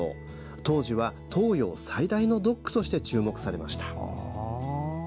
当時は東洋最大のドックとして注目されました。